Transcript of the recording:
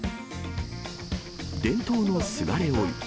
伝統のすがれ追い。